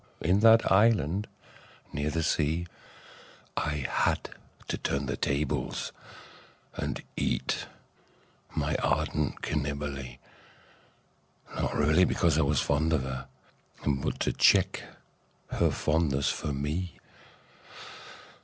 In that island near the sea, I had to turn the tables and eat My ardent Cannibalee — Not really because I was fond of her, But to check her fondness for me.